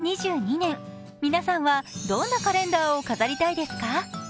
２０２２年、皆さんはどんなカレンダーを飾りたいですか？